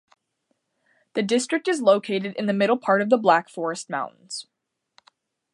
The district is located in the middle part of the Black Forest mountains.